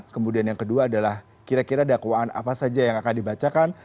kemudian yang kedua adalah kira kira dakwaan apa saja yang akan dibacakan